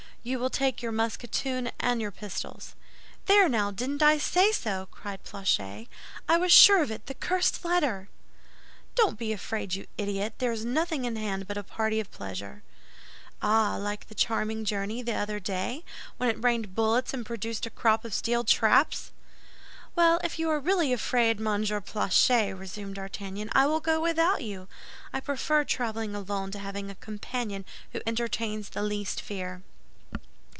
"You will take your musketoon and your pistols." "There, now! Didn't I say so?" cried Planchet. "I was sure of it—the cursed letter!" "Don't be afraid, you idiot; there is nothing in hand but a party of pleasure." "Ah, like the charming journey the other day, when it rained bullets and produced a crop of steel traps!" "Well, if you are really afraid, Monsieur Planchet," resumed D'Artagnan, "I will go without you. I prefer traveling alone to having a companion who entertains the least fear."